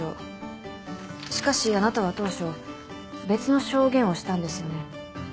しかしあなたは当初別の証言をしたんですよね。